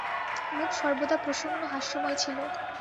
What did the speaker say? মুখ সর্বদা প্রসন্ন হাস্যময় ছিল।